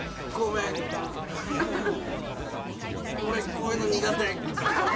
俺こういうの苦手。